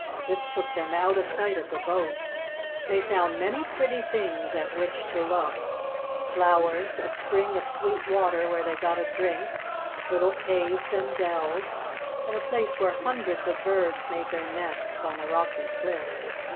This took them out of sight of the boat. They found many pretty things at which to look flowers, a spring of sweet water where they got a drink, little caves and dells, and a place where hundreds of birds made their nests on a rocky cliff.